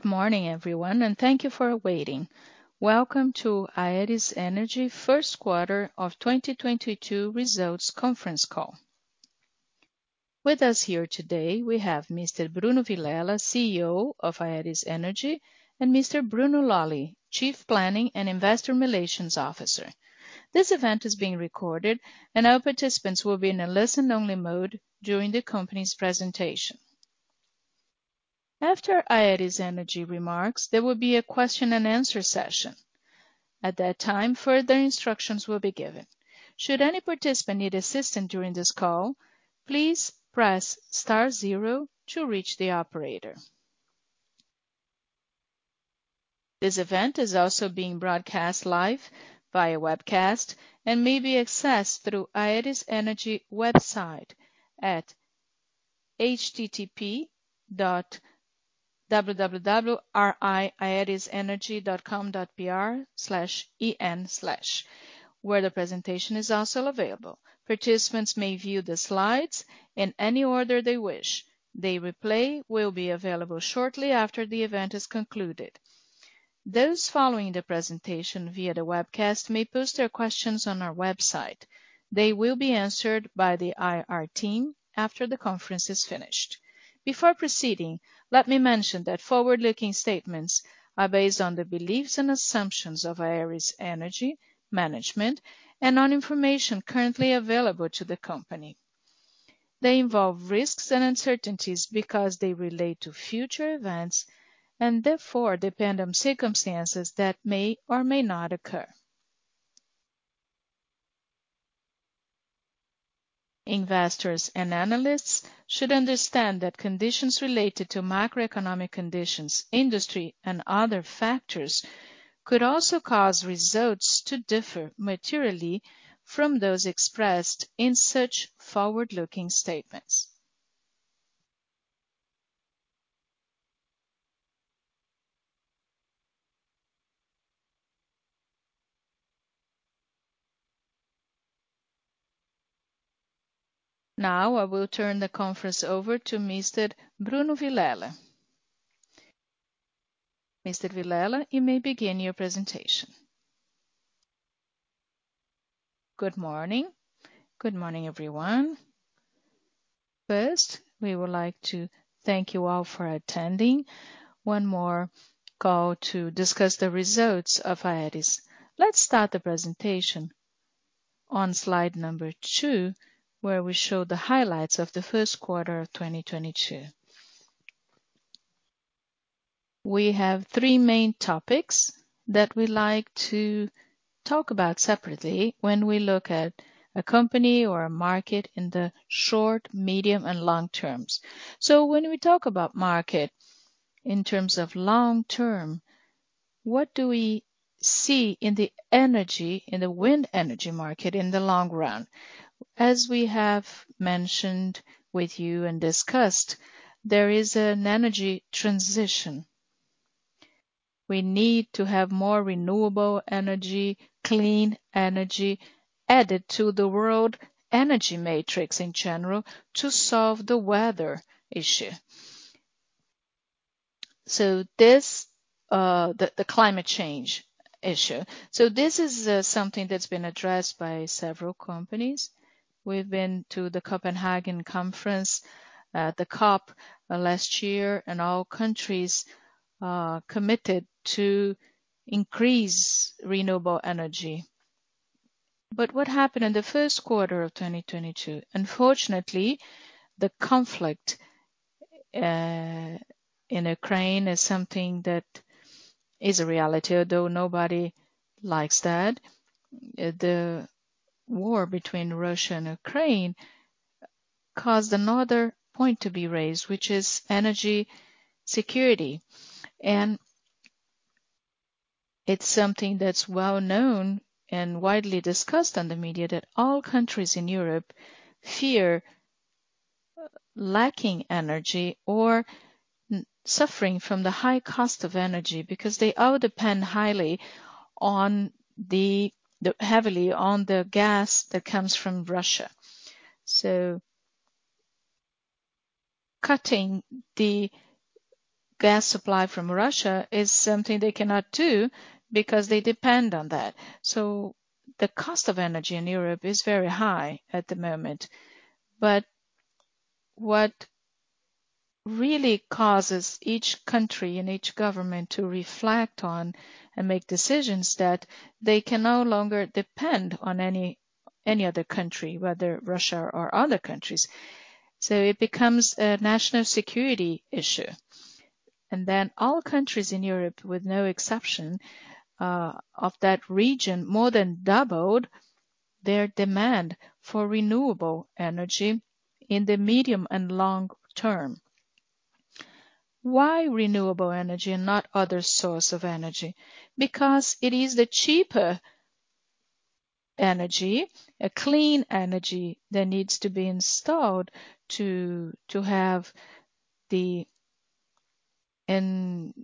Good morning everyone, and thank you for waiting. Welcome to Aeris Energy first quarter of 2022 results conference call. With us here today, we have Mr. Bruno Vilela, CEO of Aeris Energy, and Mr. Bruno Lolli, Chief Planning and Investor Relations Officer. This event is being recorded, and our participants will be in a listen-only mode during the company's presentation. After Aeris Energy remarks, there will be a question and answer session. At that time, further instructions will be given. Should any participant need assistance during this call, please press star zero to reach the operator. This event is also being broadcast live via webcast and may be accessed through Aeris Energy website at http.www.ri.aerisenergy.com.br/en/, where the presentation is also available. Participants may view the slides in any order they wish. The replay will be available shortly after the event is concluded. Those following the presentation via the webcast may post their questions on our website. They will be answered by the IR team after the conference is finished. Before proceeding, let me mention that forward-looking statements are based on the beliefs and assumptions of Aeris Energy management and on information currently available to the company. They involve risks and uncertainties because they relate to future events and therefore depend on circumstances that may or may not occur. Investors and analysts should understand that conditions related to macroeconomic conditions, industry, and other factors could also cause results to differ materially from those expressed in such forward-looking statements. Now I will turn the conference over to Mr. Bruno Vilela. Mr. Vilela, you may begin your presentation. Good morning. Good morning, everyone. First, we would like to thank you all for attending one more call to discuss the results of Aeris. Let's start the presentation on slide number two, where we show the highlights of the first quarter of 2022. We have three main topics that we like to talk about separately when we look at a company or a market in the short, medium, and long terms. When we talk about market in terms of long term, what do we see in the energy in the wind energy market in the long run? As we have mentioned with you and discussed, there is an energy transition. We need to have more renewable energy, clean energy added to the world energy matrix in general to solve the weather issue. So this, the climate change issue. So this is something that's been addressed by several companies. We've been to the Copenhagen conference, the COP last year, and all countries committed to increase renewable energy. What happened in the first quarter of 2022? Unfortunately, the conflict in Ukraine is something that is a reality, although nobody likes that. The war between Russia and Ukraine caused another point to be raised, which is energy security. And it's something that's well known and widely discussed on the media that all countries in Europe fear lacking energy or suffering from the high cost of energy because they all depend heavily on the gas that comes from Russia. So cutting the gas supply from Russia is something they cannot do because they depend on that. So the cost of energy in Europe is very high at the moment. But what really causes each country and each government to reflect on and make decisions that they can no longer depend on any other country, whether Russia or other countries. So it becomes a national security issue. And then all countries in Europe, with no exception of that region, more than doubled their demand for renewable energy in the medium and long term. Why renewable energy and not other source of energy? Because it is the cheaper energy, a clean energy that needs to be installed to and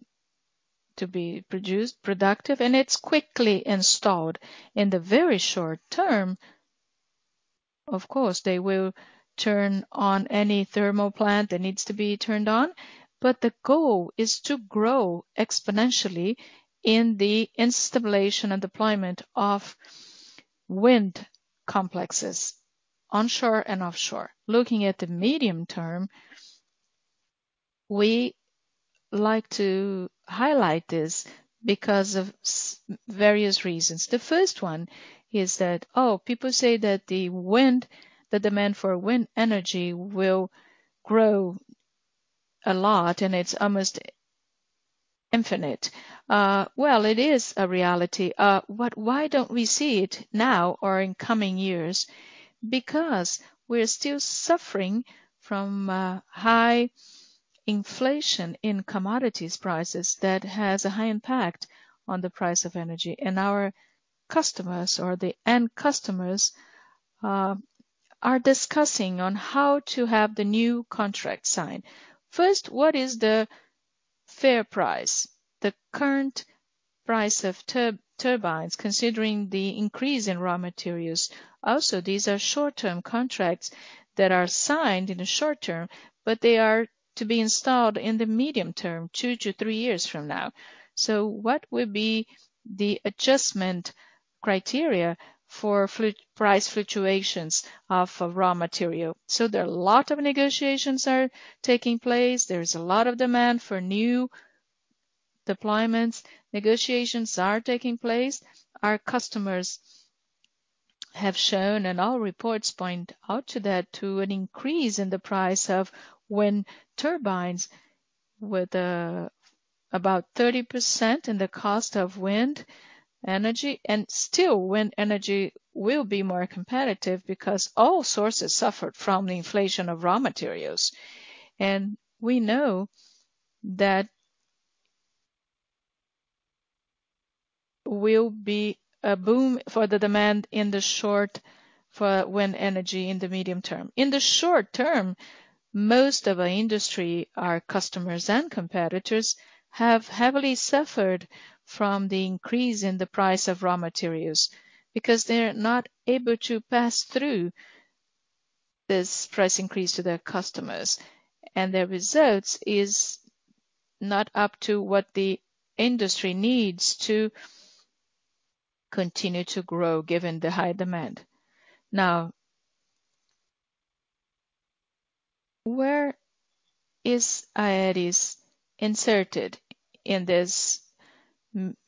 to be produced, productive, and it's quickly installed. In the very short term. Of course, they will turn on any thermal plant that needs to be turned on, but the goal is to grow exponentially in the installation and deployment of wind complexes onshore and offshore. Looking at the medium term, we like to highlight this because of various reasons. The first one is that, people say that the demand for wind energy will grow a lot, and it's almost infinite. Well, it is a reality. Why don't we see it now or in coming years? Because we're still suffering from high inflation in commodities prices that has a high impact on the price of energy. And our customers or the end customers are discussing how to have the new contract signed. First, what is the fair price, the current price of turbines considering the increase in raw materials? Also, these are short-term contracts that are signed in the short term, but they are to be installed in the medium term, two to three years from now. What will be the adjustment criteria for price fluctuations of raw material? There are a lot of negotiations taking place. There's a lot of demand for new deployments. Negotiations are taking place. Our customers have shown, and all reports point out to that, to an increase in the price of wind turbines with about 30% in the cost of wind energy. And still, wind energy will be more competitive because all sources suffered from the inflation of raw materials. And we know that will be a boom for the demand for wind energy in the medium term. In the short term, most of our industry, our customers and competitors, have heavily suffered from the increase in the price of raw materials because they're not able to pass through this price increase to their customers, and their results is not up to what the industry needs to continue to grow given the high demand. Now, where is Aeris inserted in this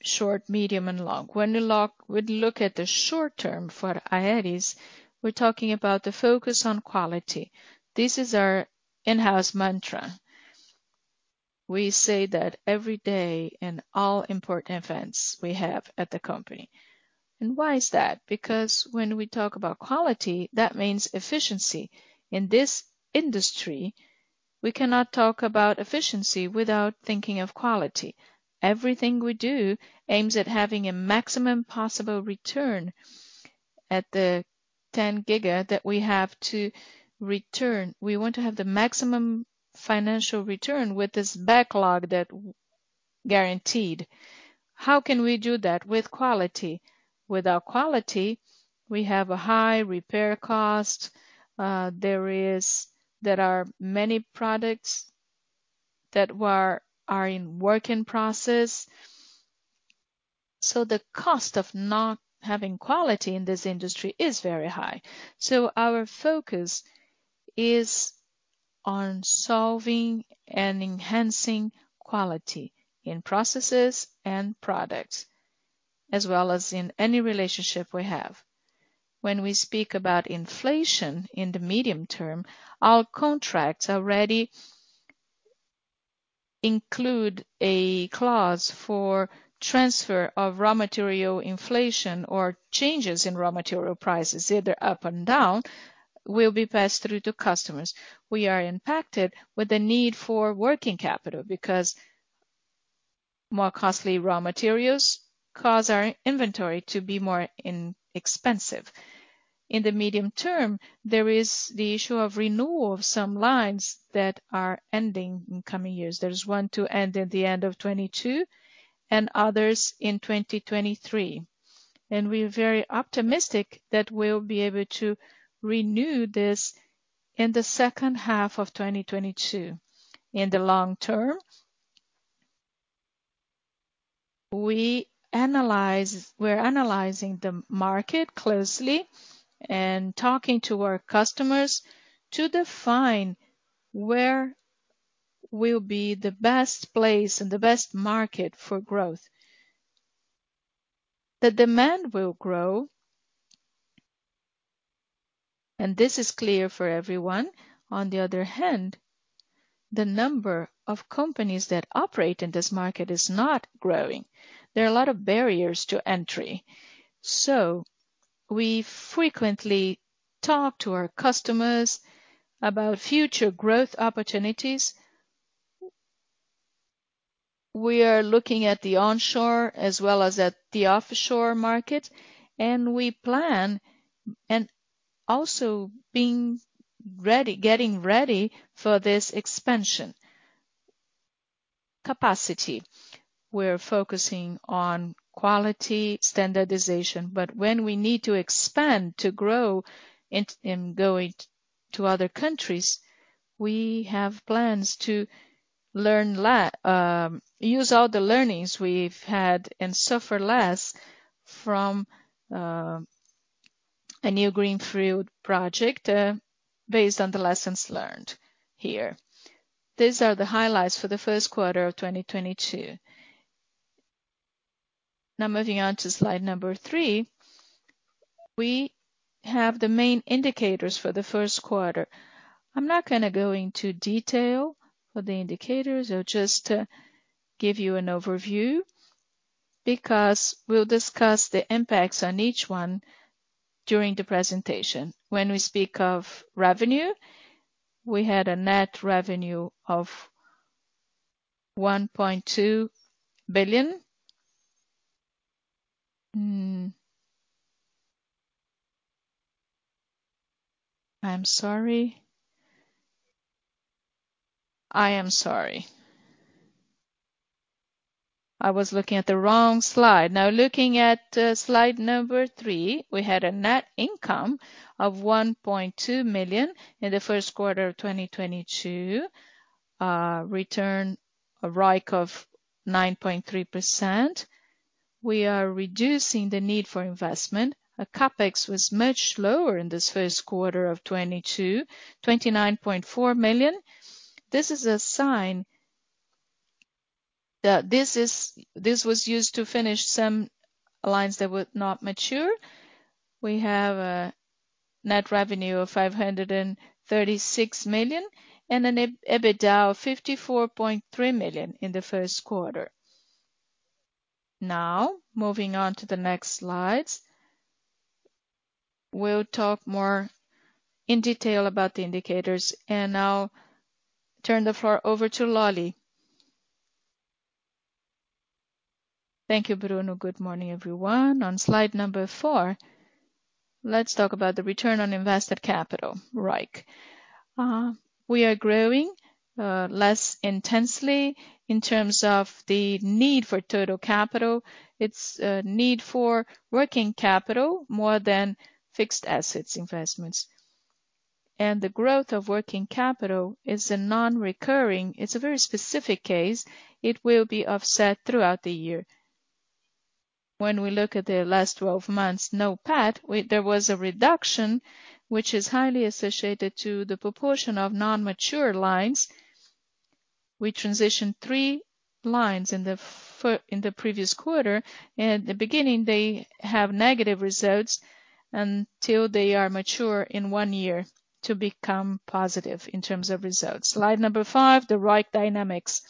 short, medium, and long? When we look at the short term for Aeris, we're talking about the focus on quality. This is our in-house mantra. We say that every day in all important events we have at the company. And why is that? Because when we talk about quality, that means efficiency. In this industry, we cannot talk about efficiency without thinking of quality. Everything we do aims at having a maximum possible return at the 10 GW that we have to return. We want to have the maximum financial return with this backlog that guaranteed. How can we do that? With quality. Without quality, we have a high repair cost. There are many products that are in work in process. The cost of not having quality in this industry is very high. So our focus is on solving and enhancing quality in processes and products, as well as in any relationship we have. When we speak about inflation in the medium term, our contracts already include a clause for transfer of raw material inflation or changes in raw material prices, either up and down, will be passed through to customers. We are impacted with the need for working capital because more costly raw materials cause our inventory to be more expensive. In the medium term, there is the issue of renewal of some lines that are ending in coming years. There's one to end at the end of 2022 and others in 2023. And we're very optimistic that we'll be able to renew this in the second half of 2022. In the long term, we're analyzing the market closely and talking to our customers to define where will be the best place and the best market for growth. The demand will grow, and this is clear for everyone. On the other hand, the number of companies that operate in this market is not growing. There are a lot of barriers to entry. So we frequently talk to our customers about future growth opportunities. We are looking at the onshore as well as at the offshore market, and we plan, also, getting ready for this expansion capacity. We're focusing on quality standardization, but when we need to expand to grow in going to other countries, we have plans to use all the learnings we've had and suffer less from a new greenfield project based on the lessons learned here. These are the highlights for the first quarter of 2022. Now moving on to slide number three, we have the main indicators for the first quarter. I'm not gonna go into detail for the indicators. I'll just give you an overview because we'll discuss the impacts on each one during the presentation. I'm sorry. I was looking at the wrong slide. Now, looking at slide number three, we had a net income of 1.2 million in the first quarter of 2022. ROIC of 9.3%. We are reducing the need for investment. Our CapEx was much lower in this first quarter of 2022, 29.4 million. This is a sign that this was used to finish some lines that were not mature. We have a net revenue of 536 million and an EBITDA of 54.3 million in the first quarter. Now, moving on to the next slides. We'll talk more in detail about the indicators. I'll turn the floor over to Lolli. Thank you, Bruno. Good morning, everyone. On slide number four, let's talk about the return on invested capital, ROIC. We are growing less intensely in terms of the need for total capital. It's a need for working capital more than fixed assets investments. And the growth of working capital is a non-recurring. It's a very specific case. It will be offset throughout the year. When we look at the last 12 months, NOPAT, there was a reduction, which is highly associated to the proportion of non-mature lines. We transitioned three lines in the previous quarter. In the beginning, they have negative results until they are mature in one year to become positive in terms of results. Slide number five, the ROIC dynamics.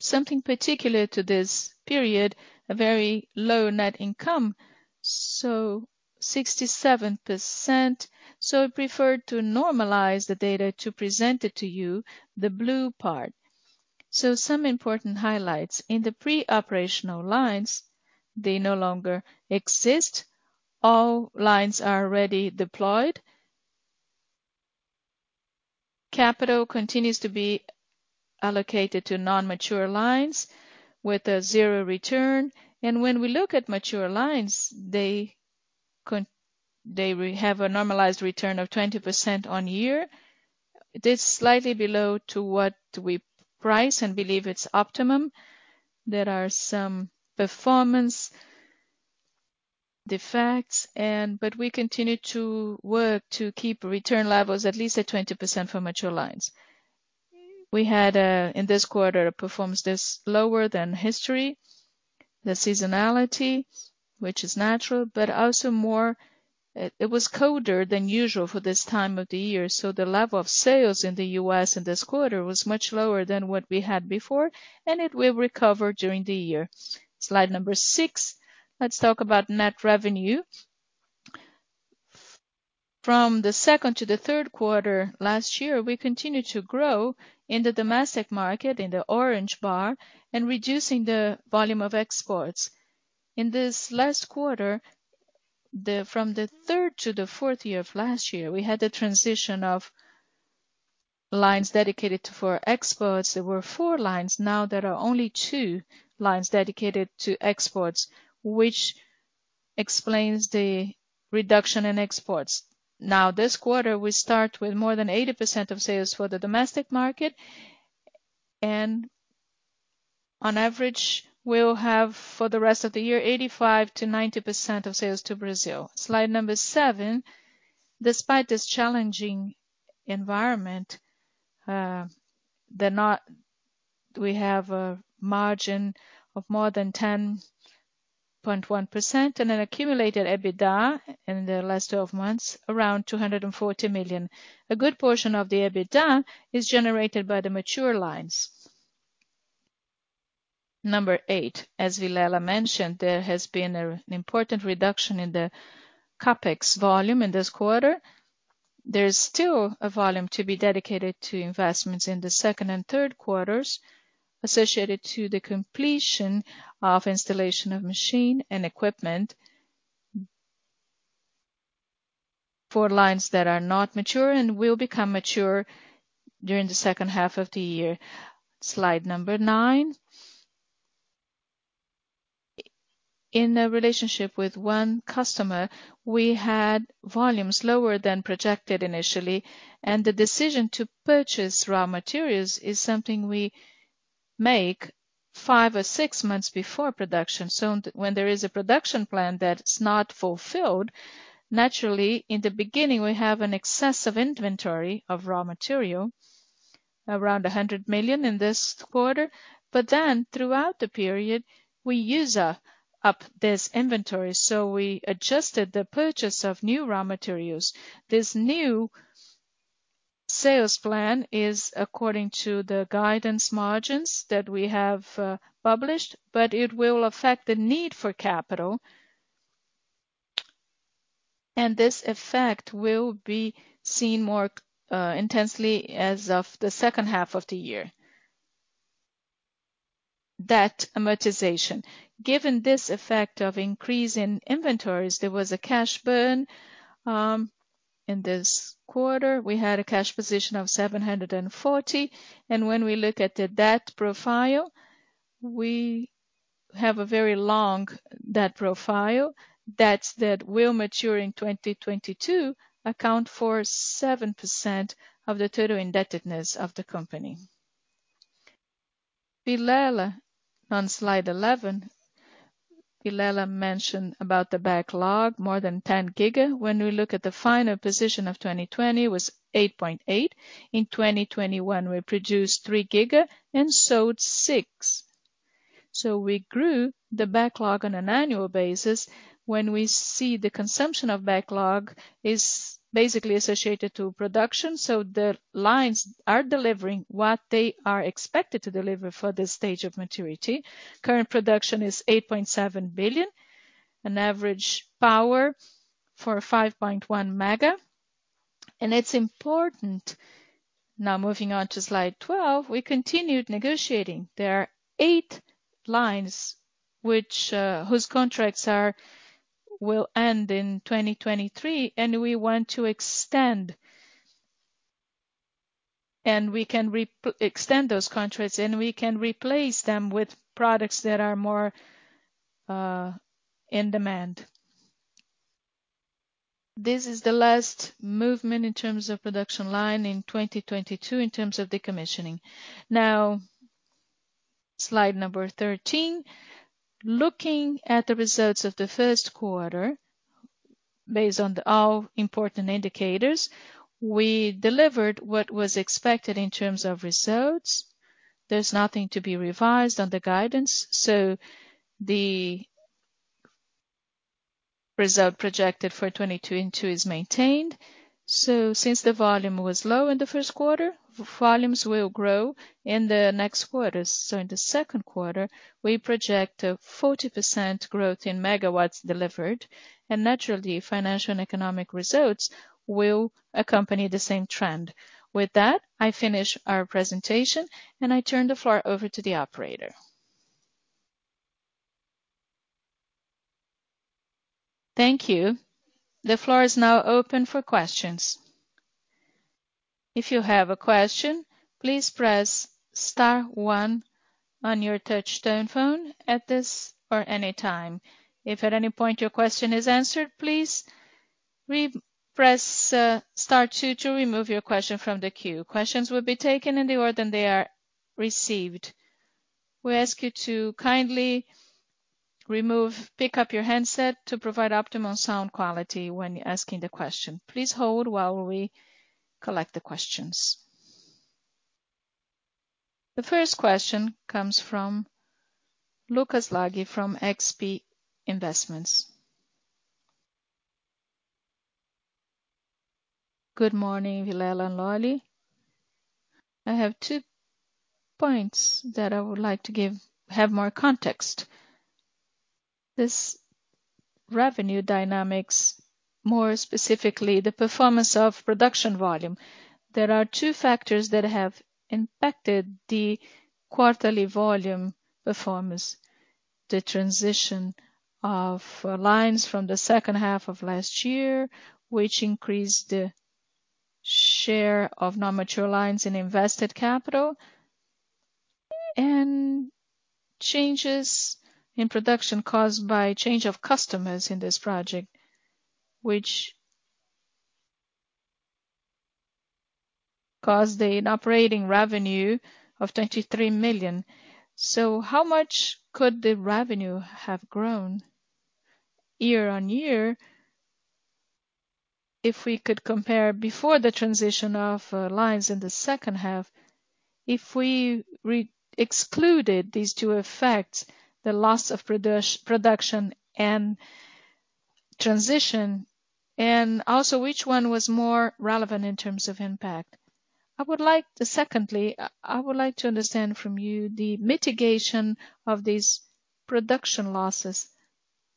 Something particular to this period, a very low net income, so 67%. I prefer to normalize the data to present it to you, the blue part. Some important highlights. In the pre-operational lines, they no longer exist. All lines are already deployed. Capital continues to be allocated to non-mature lines with a 0 return. When we look at mature lines, they have a normalized return of 20% on year. This is slightly below to what we price and believe it's optimum. There are some performance defects, and, but we continue to work to keep return levels at least at 20% for mature lines. We had in this quarter a performance that's lower than history. The seasonality, which is natural, but also more, it was colder than usual for this time of the year. So the level of sales in the U.S. in this quarter was much lower than what we had before, and it will recover during the year. Slide number six, let's talk about net revenue. From the second to the third quarter last year, we continued to grow in the domestic market, in the orange bar, and reducing the volume of exports. In this last quarter, from the third to the fourth quarter of last year, we had a transition of lines dedicated for exports. There were four lines, now there are only two lines dedicated to exports, which explains the reduction in exports. Now, this quarter, we start with more than 80% of sales for the domestic market. On average, we'll have, for the rest of the year, 85%-90% of sales to Brazil. Slide seven. Despite this challenging environment, we have a margin of more than 10.1% and an accumulated EBITDA in the last 12 months, around 240 million. A good portion of the EBITDA is generated by the mature lines. Number eight. As Vilela mentioned, there has been an important reduction in the CapEx volume in this quarter. There is still a volume to be dedicated to investments in the second and third quarters associated to the completion of installation of machine and equipment. Four lines that are not mature and will become mature during the second half of the year. Slide number nine. In a relationship with one customer, we had volumes lower than projected initially, and the decision to purchase raw materials is something we make five or six months before production. When there is a production plan that's not fulfilled, naturally, in the beginning, we have an excess of inventory of raw material, around 100 million in this quarter. Then throughout the period, we use up this inventory, so we adjusted the purchase of new raw materials. This new sales plan is according to the guidance margins that we have published, but it will affect the need for capital. This effect will be seen more intensely as of the second half of the year. Debt amortization. Given this effect of increase in inventories, there was a cash burn in this quarter. We had a cash position of 740, and when we look at the debt profile, we have a very long debt profile. Debts that will mature in 2022 account for 7% of the total indebtedness of the company. Vilela, on slide 11. Vilela mentioned about the backlog, more than 10 gigas. When we look at the final position of 2020, it was 8.8. In 2021, we produced three gigas and sold six. We grew the backlog on an annual basis. When we see the consumption of backlog is basically associated to production, so the lines are delivering what they are expected to deliver for this stage of maturity. Current production is 8.7 billion, an average power for 5.1 MW. It's important. Now moving on to slide 12. We continued negotiating. There are eight lines whose contracts will end in 2023, and we want to extend. We can extend those contracts, and we can replace them with products that are more in demand. This is the last movement in terms of production line in 2022 in terms of decommissioning. Now, slide number 13. Looking at the results of the first quarter, based on all important indicators, we delivered what was expected in terms of results. There's nothing to be revised on the guidance, so the result projected for 2022 is maintained. So since the volume was low in the first quarter, volumes will grow in the next quarters. In the second quarter, we project a 40% growth in megawatts delivered, and naturally, financial and economic results will accompany the same trend. With that, I finish our presentation, and I turn the floor over to the operator. Thank you. The floor is now open for questions. If you have a question, please press star one on your touchtone phone at this or any time. If at any point your question is answered, please re-press star two to remove your question from the queue. Questions will be taken in the order they are received. We ask you to kindly pick up your handset to provide optimal sound quality when asking the question. Please hold while we collect the questions. The first question comes from Lucas Laghi from XP Investimentos. Good morning, Vilela and Lolli. I have two points that I would like to have more context. This revenue dynamics, more specifically, the performance of production volume. There are two factors that have impacted the quarterly volume performance: the transition of lines from the second half of last year, which increased the share of non-mature lines in invested capital, and changes in production caused by change of customers in this project, which caused an operating revenue of 23 million. How much could the revenue have grown year-on-year if we could compare before the transition of lines in the second half, if we re-excluded these two effects, the loss of production and transition, and also which one was more relevant in terms of impact? Secondly, I would like to understand from you the mitigation of these production losses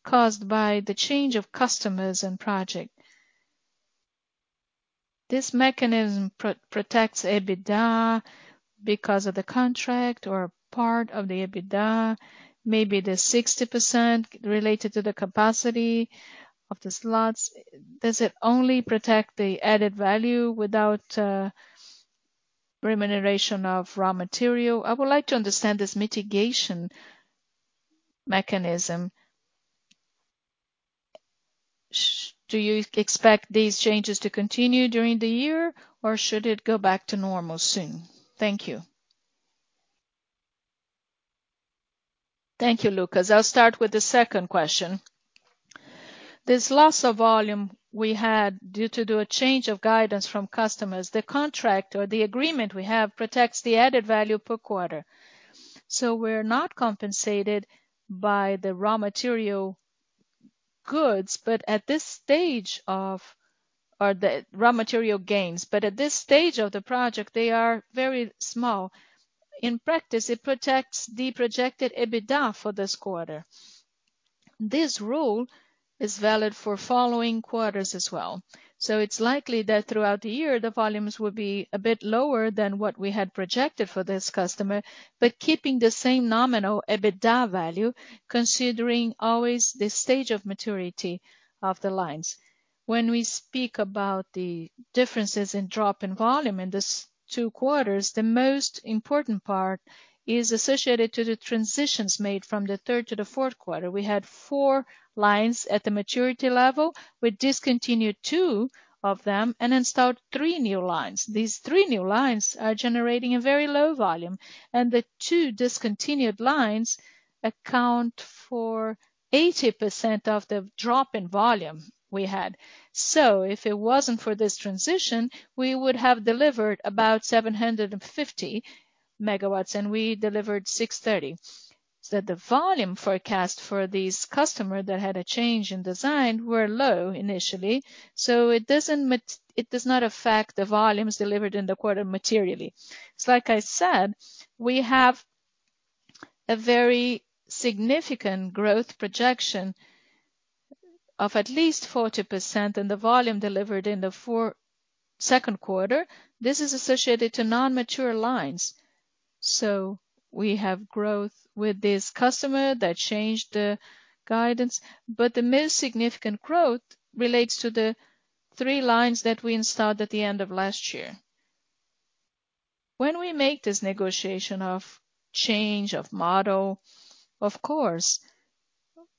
caused by the change of customers and project. This mechanism protects EBITDA because of the contract or part of the EBITDA, maybe the 60% related to the capacity of the slots. Does it only protect the added value without remuneration of raw material? I would like to understand this mitigation mechanism. Do you expect these changes to continue during the year, or should it go back to normal soon? Thank you. Thank you, Lucas. I'll start with the second question. This loss of volume we had due to a change of guidance from customers. The contract or the agreement we have protects the added value per quarter. So we're not compensated by the raw material goods, but at this stage of. The raw material gains, but at this stage of the project, they are very small. In practice, it protects the projected EBITDA for this quarter. This rule is valid for following quarters as well. So it's likely that throughout the year, the volumes will be a bit lower than what we had projected for this customer, but keeping the same nominal EBITDA value, considering always the stage of maturity of the lines. When we speak about the differences in drop in volume in these two quarters, the most important part is associated to the transitions made from the third to the fourth quarter. We had four lines at the maturity level. We discontinued two of them and installed three new lines. These three new lines are generating a very low volume, and the two discontinued lines account for 80% of the drop in volume we had. If it wasn't for this transition, we would have delivered about 750 megawatts, and we delivered 630. The volume forecast for this customer that had a change in design were low initially, so it does not affect the volumes delivered in the quarter materially. It's like I said, we have a very significant growth projection of at least 40% and the volume delivered in the second quarter, this is associated to non-mature lines. We have growth with this customer that changed the guidance, but the most significant growth relates three lines that we installed at the end of last year. When we make this negotiation of change of model, of course,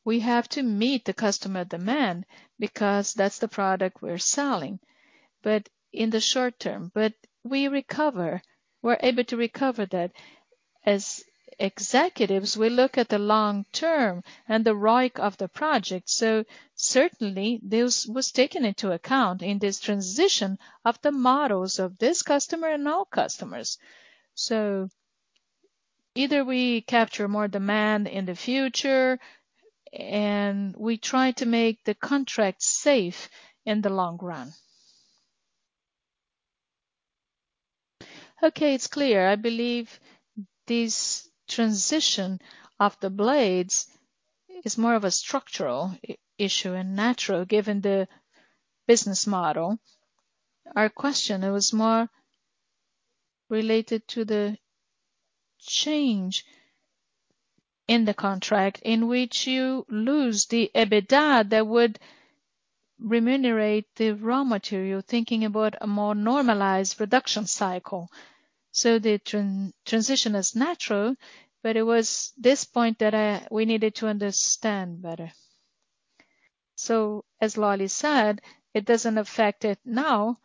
we have to meet the customer demand because that's the product we're selling. In the short term, we recover. We're able to recover that. As executives, we look at the long term and the ROIC of the project. Certainly this was taken into account in this transition of the models of this customer and all customers. So either we capture more demand in the future and we try to make the contract safe in the long run. Okay, it's clear. I believe this transition of the blades is more of a structural issue and natural given the business model. Our question, it was more related to the change in the contract in which you lose the EBITDA that would remunerate the raw material, thinking about a more normalized reduction cycle. So the transition is natural, but it was this point that we needed to understand better. So as Lolli said, it doesn't affect it now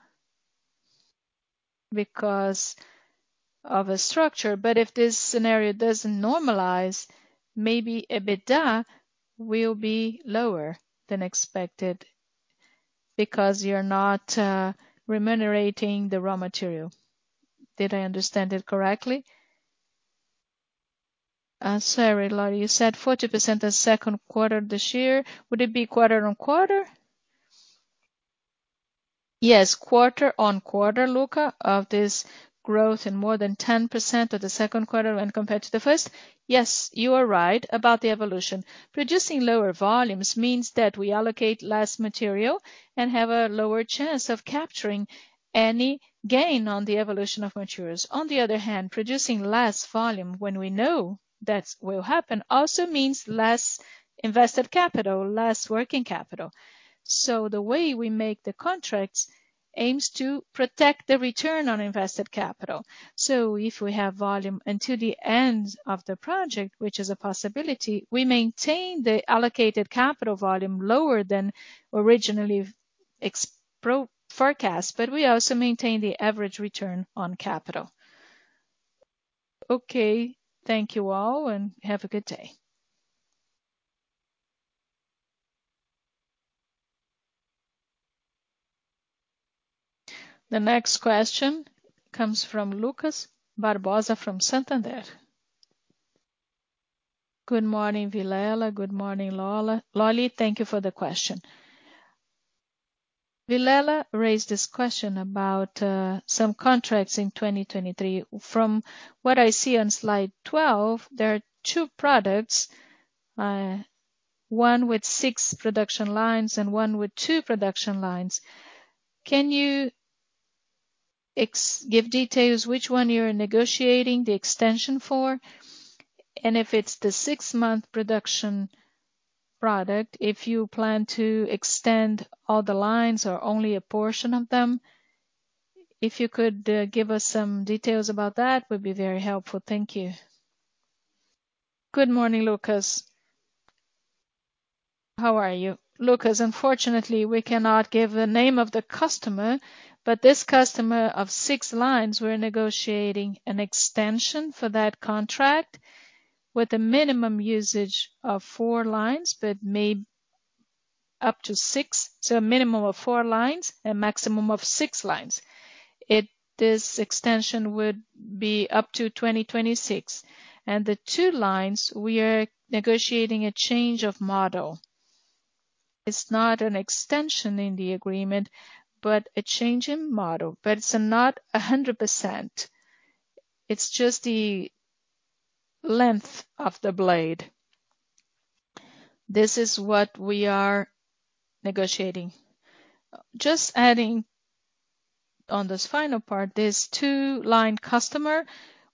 because of a structure, but if this scenario doesn't normalize, maybe EBITDA will be lower than expected because you're not remunerating the raw material. Did I understand it correctly? Sorry, Lolli, you said 40% the second quarter this year. Would it be quarter-on-quarter? Yes, quarter-on-quarter, Lucas, of this growth and more than 10% of the second quarter when compared to the first. Yes, you are right about the evolution. Producing lower volumes means that we allocate less material and have a lower chance of capturing any gain on the evolution of matures. On the other hand, producing less volume when we know that will happen also means less invested capital, less working capital. So the way we make the contracts aims to protect the return on invested capital. If we have volume until the end of the project, which is a possibility, we maintain the allocated capital volume lower than originally forecast, but we also maintain the average return on capital. Okay. Thank you all, and have a good day. The next question comes from Lucas Barbosa from Santander. Good morning, Vilela. Good morning, Lolli. Lolli, thank you for the question. Vilela raised this question about some contracts in 2023. From what I see on slide 12, there are two products, one with six production lines and one with two production lines. Can you give details which one you're negotiating the extension for? And if it's the six-month production product, if you plan to extend all the lines or only a portion of them. If you could give us some details about that, would be very helpful. Thank you. Good morning, Lucas. How are you? Lucas, unfortunately, we cannot give the name of the customer, but this customer of 6 lines, we're negotiating an extension for that contract with a minimum usage of four lines, but up to six. A minimum of 4 lines and maximum of 6 lines. This extension would be up to 2026. The two lines, we are negotiating a change of model. It's not an extension in the agreement, but a change in model. It's not 100%. It's just the length of the blade. This is what we are negotiating. Just adding on this final part, this 2-line customer,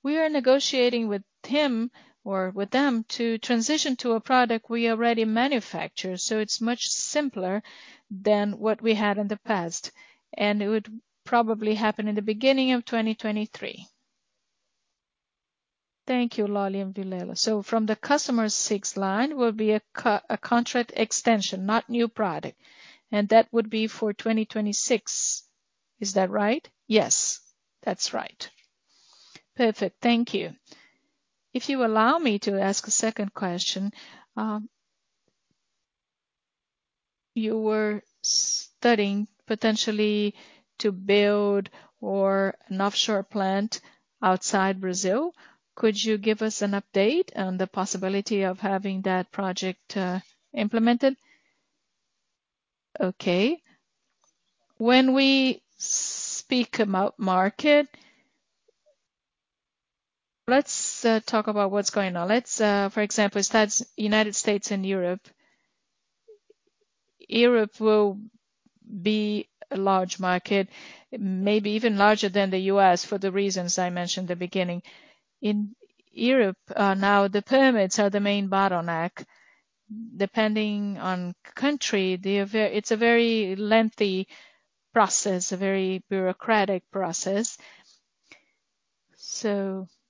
we are negotiating with him or with them to transition to a product we already manufacture, so it's much simpler than what we had in the past, and it would probably happen in the beginning of 2023. Thank you, Lolli and Vilela. From the customer's sixth line will be a cu-a contract extension, not new product, and that would be for 2026. Is that right? Yes, that's right. Perfect. Thank you. If you allow me to ask a second question, you were studying potentially to build a offshore plant outside Brazil. Could you give us an update on the possibility of having that project implemented? Okay. When we speak about market, let's talk about what's going on. For example, the United States and Europe. Europe will be a large market, maybe even larger than the U.S., for the reasons I mentioned at the beginning. In Europe, now the permits are the main bottleneck. Depending on country, it's a very lengthy process, a very bureaucratic process.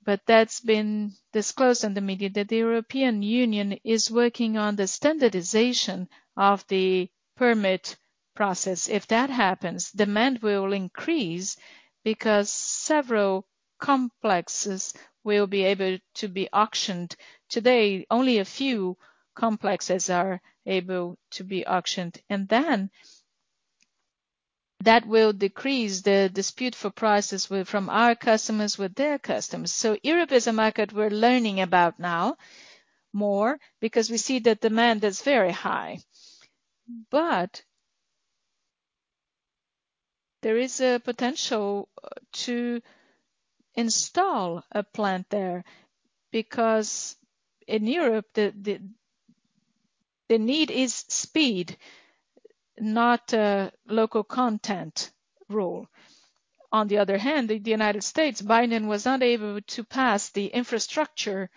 That's been disclosed in the media that the European Union is working on the standardization of the permit process. If that happens, demand will increase because several complexes will be able to be auctioned. Today, only a few complexes are able to be auctioned. That will decrease the dispute for prices from our customers, with their customers. Europe is a market we're learning about now more because we see the demand is very high. But there is a potential to install a plant there because in Europe, the need is speed, not local content rule. On the other hand, in the United States, Biden was unable to pass the infrastructure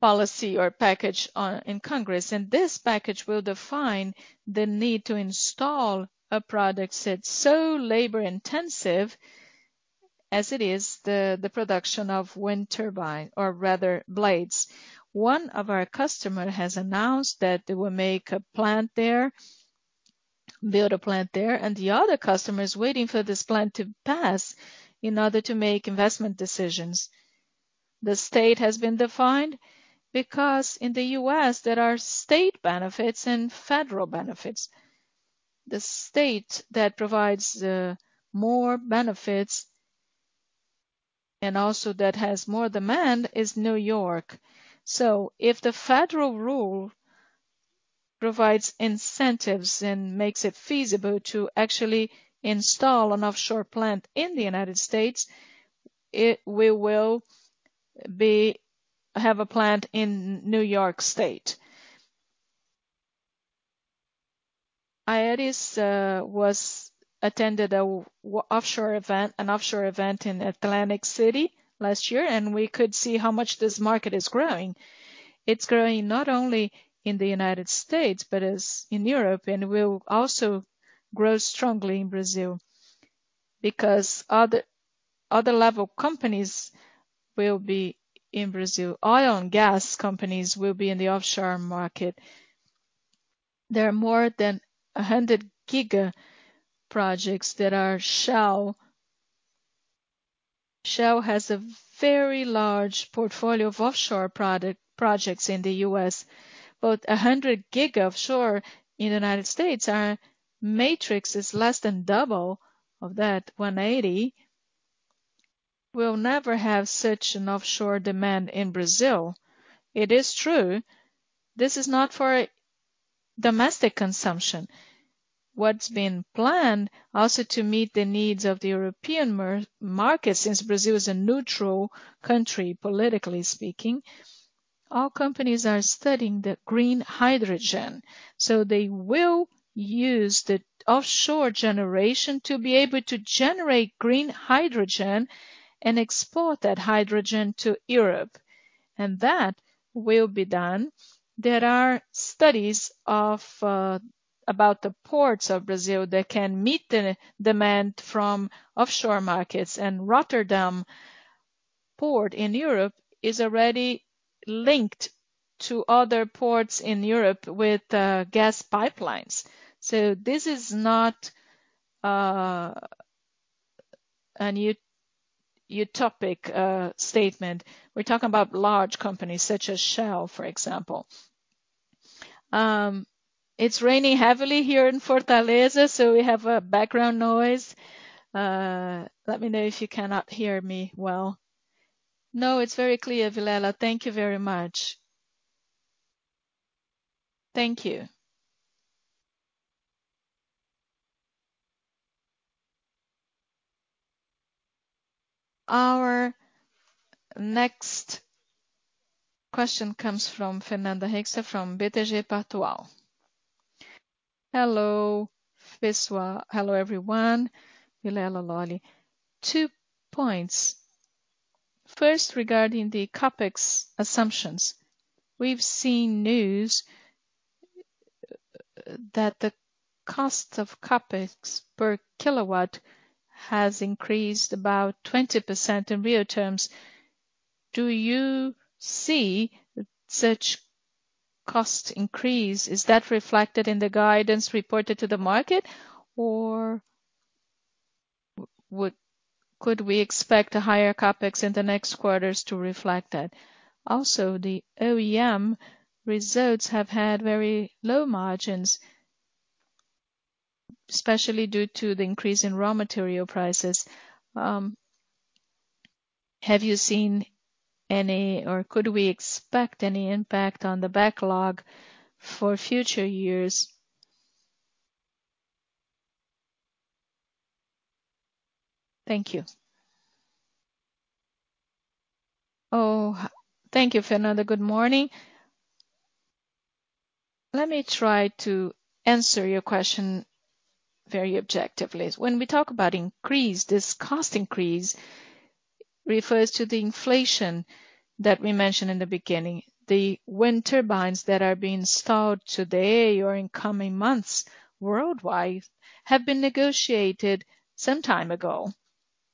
policy or package in Congress, and this package will define the need to install a product set so labor-intensive as it is the production of wind turbine, or rather blades. One of our customer has announced that they will make a plant there, build a plant there, and the other customer is waiting for this plant to pass in order to make investment decisions. The state has been defined because in the U.S., there are state benefits and federal benefits. The state that provides the more benefits and also that has more demand is New York. So if the federal rule provides incentives and makes it feasible to actually install an offshore plant in the United States, we will have a plant in New York State. Aeris attended an offshore event in Atlantic City last year, and we could see how much this market is growing. It's growing not only in the United States, but also in Europe, and it will also grow strongly in Brazil because other large companies will be in Brazil. Oil and gas companies will be in the offshore market. There are more than 100 GW projects that are Shell. Shell has a very large portfolio of offshore projects in the US. About 100 GW offshore in the United States. Our market is less than double of that, 180. We'll never have such an offshore demand in Brazil. It is true. This is not for domestic consumption. What's been planned also to meet the needs of the European market, since Brazil is a neutral country, politically speaking, all companies are studying the green hydrogen. So they will use the offshore generation to be able to generate green hydrogen and export that hydrogen to Europe. And that will be done. There are studies about the ports of Brazil that can meet the demand from offshore markets. Rotterdam port in Europe is already linked to other ports in Europe with gas pipelines. So this is not a utopian statement. We're talking about large companies such as Shell, for example. It's raining heavily here in Fortaleza, so we have a background noise. Let me know if you cannot hear me well. No, it's very clear, Vilela. Thank you very much. Thank you. Our next question comes from Fernanda Recchia from BTG Pactual. Hello, Vilela. Hello, everyone, Vilela, Lolli. Two points. First, regarding the CapEx assumptions. We've seen news that the cost of CapEx per kilowatt has increased about 20% in real terms. Do you see such cost increase? Is that reflected in the guidance reported to the market, or could we expect a higher CapEx in the next quarters to reflect that? Also, the OEM results have had very low margins, especially due to the increase in raw material prices. Have you seen any, or could we expect any impact on the backlog for future years? Thank you. Oh, thank you, Fernanda. Good morning. Let me try to answer your question very objectively. When we talk about increase, this cost increase refers to the inflation that we mentioned in the beginning. The wind turbines that are being installed today or in coming months worldwide have been negotiated some time ago,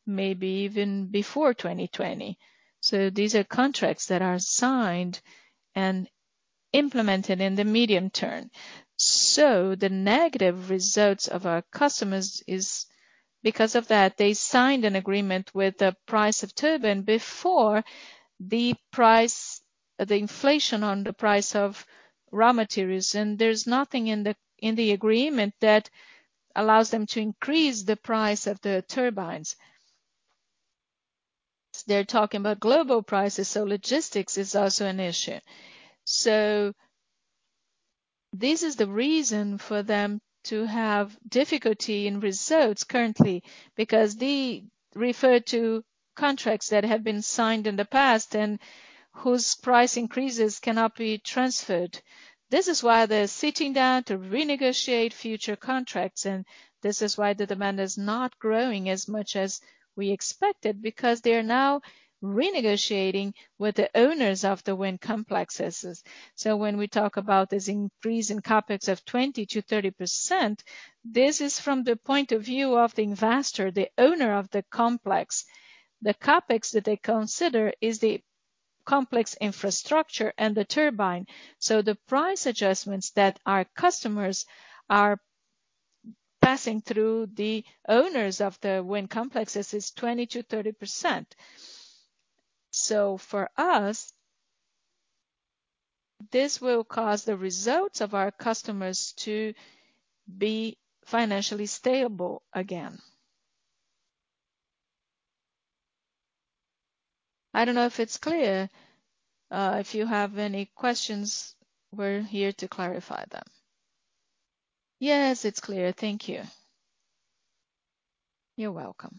maybe even before 2020. So these are contracts that are signed and implemented in the medium term. So the negative results of our customers is because of that, they signed an agreement with the price of turbine before the price, the inflation on the price of raw materials. There's nothing in the, in the agreement that allows them to increase the price of the turbines. They're talking about global prices, so logistics is also an issue. So this is the reason for them to have difficulty in results currently, because they refer to contracts that have been signed in the past and whose price increases cannot be transferred. This is why they're sitting down to renegotiate future contracts, and this is why the demand is not growing as much as we expected, because they are now renegotiating with the owners of the wind complexes. So when we talk about this increase in CapEx of 20%-30%, this is from the point of view of the investor, the owner of the complex. The CapEx that they consider is the complex infrastructure and the turbine. The price adjustments that our customers are passing through the owners of the wind complexes is 20%-30%. For us, this will cause the results of our customers to be financially stable again. I don't know if it's clear. If you have any questions, we're here to clarify them. Yes, it's clear. Thank you. You're welcome.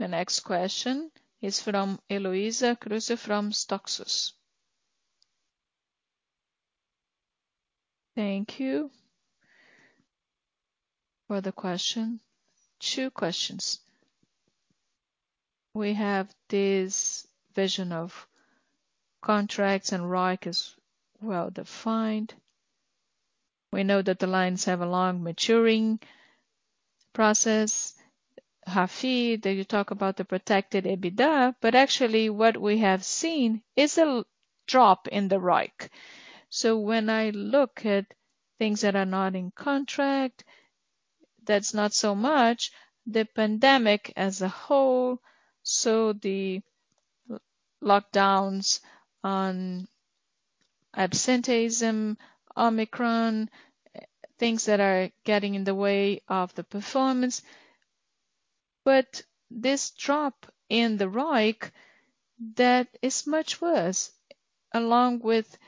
The next question is from Eloisa Cruz from Soxos. Thank you for the question. Two questions. We have this vision of contracts and ROIC is well-defined. We know that the lines have a long maturing process. Rafi, did you talk about the protected EBITDA? Actually, what we have seen is a drop in the ROIC. When I look at things that are not in contract, that's not so much. The pandemic as a whole, the lockdowns, absenteeism, Omicron, things that are getting in the way of the performance. This drop in the ROIC, that is much worse, along with.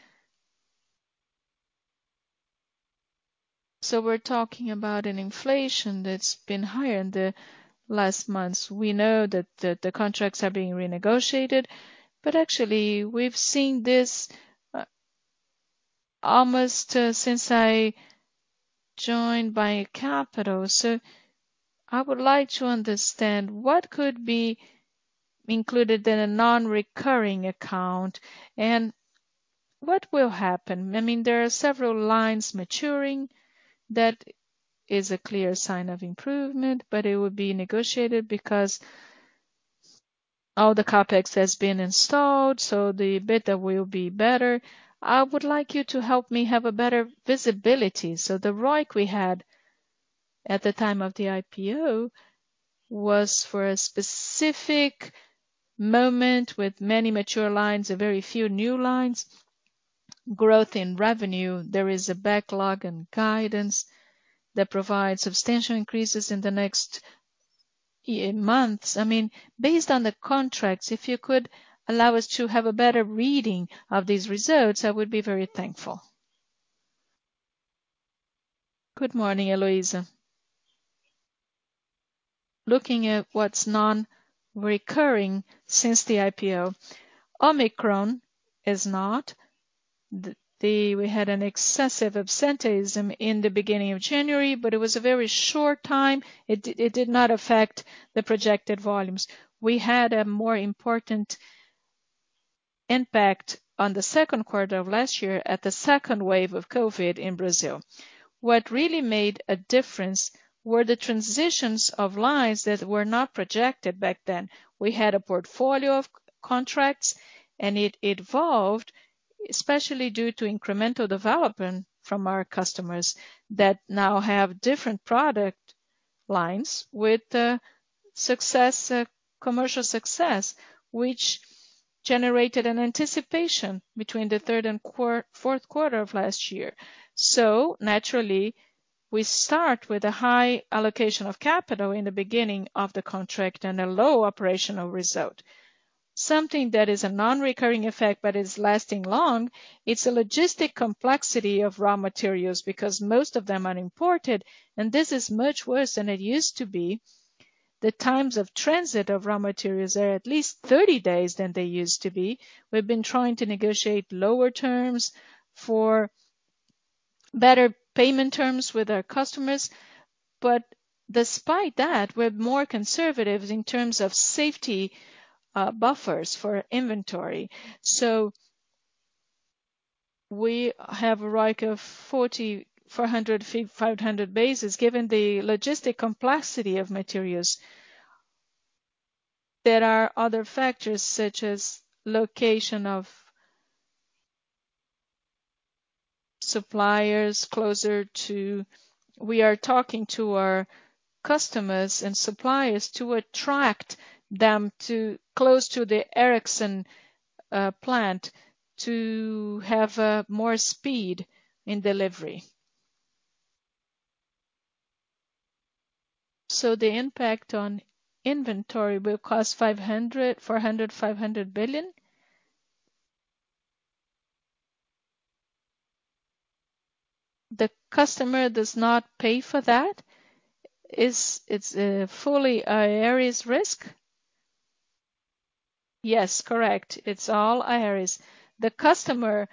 We're talking about an inflation that's been higher in the last months. We know that the contracts are being renegotiated, but actually we've seen this, almost, since I joined Bi Capital. I would like to understand what could be included in a non-recurring account and what will happen. I mean, there are several lines maturing that is a clear sign of improvement, but it would be negotiated because all the CapEx has been installed, so the beta will be better. I would like you to help me have a better visibility. The ROIC we had at the time of the IPO was for a specific moment with many mature lines and very few new lines, growth in revenue. There is a backlog and guidance that provides substantial increases in the next y- months. I mean, based on the contracts, if you could allow us to have a better reading of these results, I would be very thankful. Good morning, Eloisa. Looking at what's non-recurring since the IPO, Omicron is not. We had an excessive absenteeism in the beginning of January, but it was a very short time. It did not affect the projected volumes. We had a more important impact on the second quarter of last year at the second wave of COVID in Brazil. What really made a difference were the transitions of lines that were not projected back then. We had a portfolio of contracts, and it evolved, especially due to incremental development from our customers that now have different product lines with success, commercial success, which generated an anticipation between the third and fourth quarter of last year. So naturally, we start with a high allocation of capital in the beginning of the contract and a low operational result. Something that is a non-recurring effect but is lasting long. It's a logistical complexity of raw materials because most of them are imported, and this is much worse than it used to be. The times of transit of raw materials are at least 30 days longer than they used to be. We've been trying to negotiate longer terms for better payment terms with our customers. But despite that, we're more conservative in terms of safety buffers for inventory. We have a ROIC of 400-500 basis points, given the logistic complexity of materials. There are other factors such as location of suppliers closer to the Aeris plant. We are talking to our customers and suppliers to attract them to close to the Aeris plant to have more speed in delivery. The impact on inventory will cost 400 million-500 million. The customer does not pay for that. It's fully Aeris risk. Yes, correct. It's all Aeris. The customer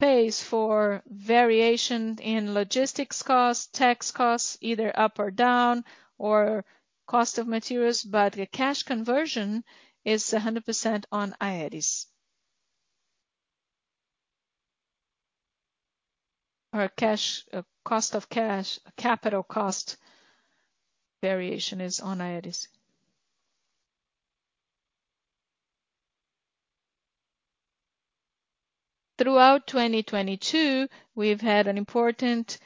pays for variation in logistics costs, tax costs, either up or down, or cost of materials, but the cash conversion is 100% on Aeris. Capital cost variation is on Aeris. Throughout 2022, we've had an important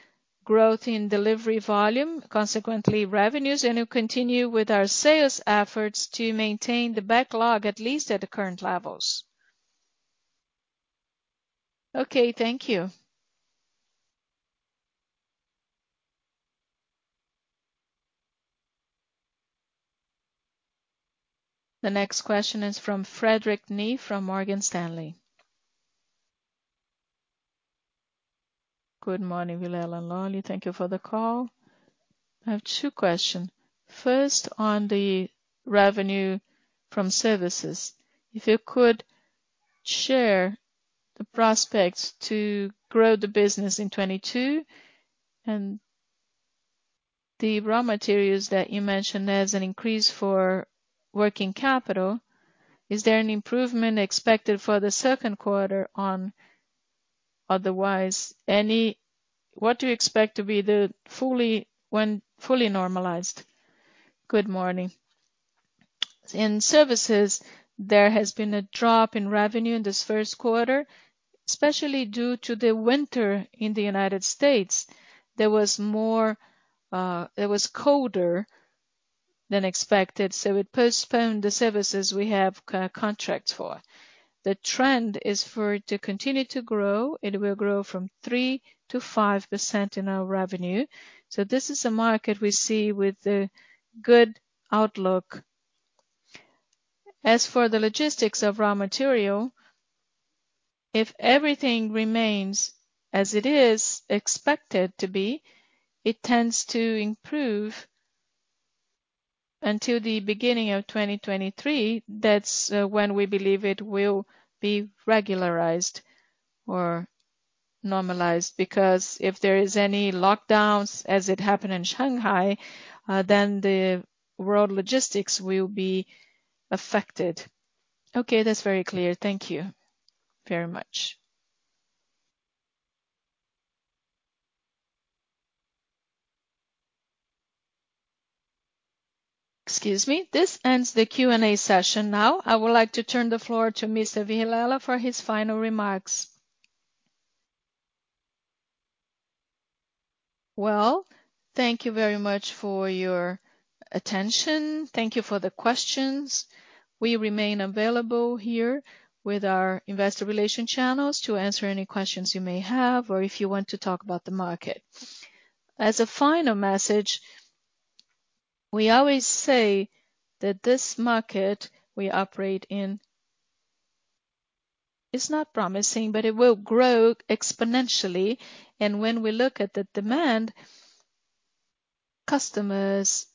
growth in delivery volume, consequently revenues, and we'll continue with our sales efforts to maintain the backlog at least at the current levels. Okay. Thank you. The next question is from Frederico Veiga from Morgan Stanley. Good morning, Vilela and Lolli. Thank you for the call. I have two question. First, on the revenue from services, if you could share the prospects to grow the business in 2022 and the raw materials that you mentioned, there's an increase for working capital. Is there an improvement expected for the second quarter? What do you expect to be when fully normalized? Good morning. In services, there has been a drop in revenue in this first quarter, especially due to the winter in the United States. There was more. It was colder than expected, so it postponed the services we have contracts for. The trend is for it to continue to grow. It will grow from 3% to 5% in our revenue. So this is a market we see with a good outlook. As for the logistics of raw material, if everything remains as it is expected to be, it tends to improve until the beginning of 2023. That's when we believe it will be regularized or normalized. Because if there is any lockdowns as it happened in Shanghai, then the world logistics will be affected. Okay, that's very clear. Thank you very much. Excuse me. This ends the Q&A session now. I would like to turn the floor to Mr. Vilela for his final remarks. Well, thank you very much for your attention. Thank you for the questions. We remain available here with our investor relations channels to answer any questions you may have, or if you want to talk about the market. As a final message, we always say that this market we operate in is not promising, but it will grow exponentially. When we look at the demand, customers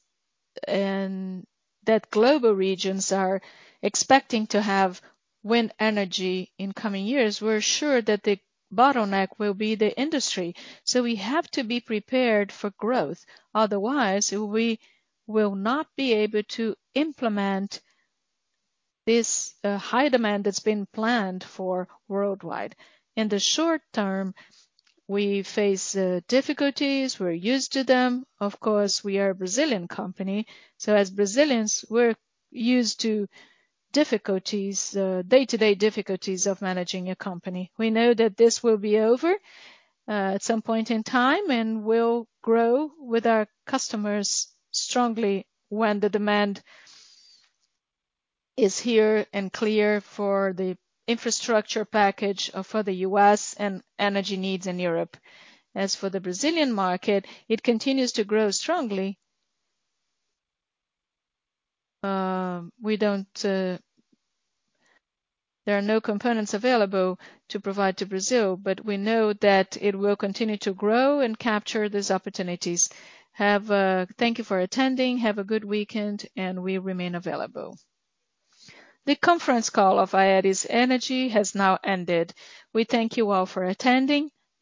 and that global regions are expecting to have wind energy in coming years, we're sure that the bottleneck will be the industry. We have to be prepared for growth, otherwise we will not be able to implement this high demand that's been planned for worldwide. In the short term, we face difficulties. We're used to them. Of course, we are a Brazilian company, so as Brazilians, we're used to difficulties, day-to-day difficulties of managing a company. We know that this will be over at some point in time, and we'll grow with our customers strongly when the demand is here and clear for the infrastructure package for the U.S. and energy needs in Europe. As for the Brazilian market, it continues to grow strongly. We don't. There are no components available to provide to Brazil, but we know that it will continue to grow and capture these opportunities. Thank you for attending, have a good weekend, and we remain available. The conference call of Aeris Energy has now ended. We thank you all for attending.